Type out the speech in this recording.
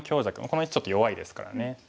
この石ちょっと弱いですからね。